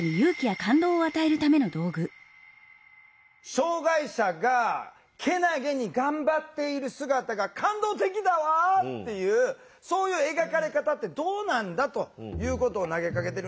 「障害者がけなげに頑張っている姿が感動的だわ！」っていうそういう描かれ方ってどうなんだということを投げかけてる。